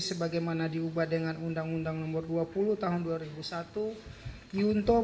pihak yang diduga pemberi adalah bh abr dan roh yang disangkakan melanggar